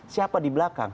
siapa di belakang